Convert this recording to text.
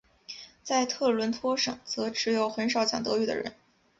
在特伦托省则只有很少讲德语的人。